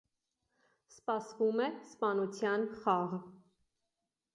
Սպասվում է «սպանության խաղ»։